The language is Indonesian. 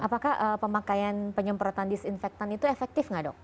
apakah pemakaian penyemprotan disinfektan itu efektif nggak dok